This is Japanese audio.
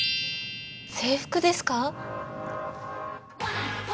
制服ですか？